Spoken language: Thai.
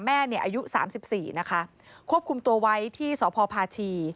แม่เนี่ยอายุ๓๔นะคะควบคุมตัวไว้ที่สพพาชี